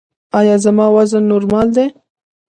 ایا زما وزن نورمال دی؟